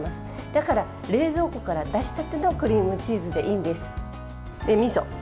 だから冷蔵庫から出したてのクリームチーズでいいんです。